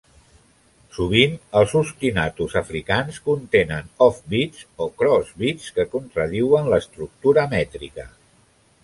Sovint, els ostinatos africans contenen offbeats o cross-beats, que contradiuen l'estructura mètrica.